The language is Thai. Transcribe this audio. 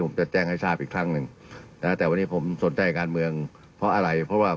เพราะฉะนั้นผมก็ใช้คำแรกนี้ได้ว่า